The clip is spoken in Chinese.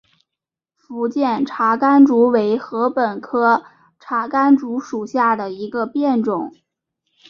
福建茶竿竹为禾本科茶秆竹属下的一个变种。